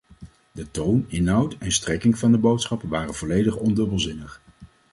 De toon, inhoud en strekking van de boodschap waren volledig ondubbelzinnig.